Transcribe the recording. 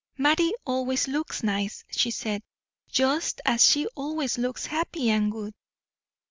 "Mattie always looks nice," she said, "just as she always looks happy and good."